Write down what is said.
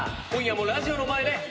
今夜もラジオの前で。